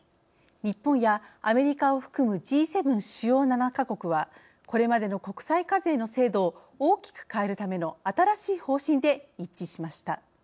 日本やアメリカを含むＧ７主要７か国はこれまでの国際課税の制度を大きく変えるための新しい方針で一致しました。